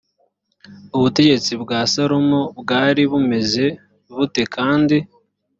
ubutegetsi bwa salomo bwari bumeze bute kandi